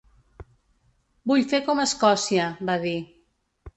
Vull fer com Escòcia, va dir.